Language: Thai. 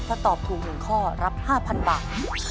ถ้าตอบถูก๑ข้อรับ๕๐๐บาท